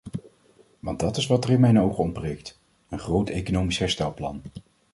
Want dat is wat er in mijn ogen ontbreekt: een groot economisch herstelplan.